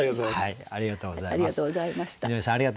井上さんありがとうございました。